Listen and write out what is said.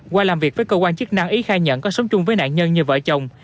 qua làm việc với cơ quan chức năng ý khai nhận có sống chung với nạn nhân như vợ chồng